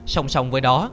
xong xong với đó